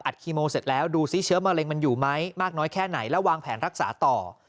คีโมเสร็จแล้วดูซิเชื้อมะเร็งมันอยู่ไหมมากน้อยแค่ไหนแล้ววางแผนรักษาต่อ